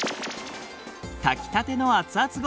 炊きたての熱々ごはん！